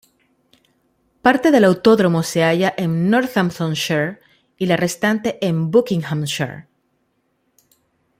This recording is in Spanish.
Parte del autódromo se halla en Northamptonshire y la restante en Buckinghamshire.